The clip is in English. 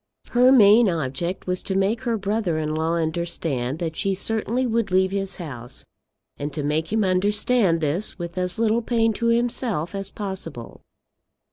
Her main object was to make her brother in law understand that she certainly would leave his house, and to make him understand this with as little pain to himself as possible.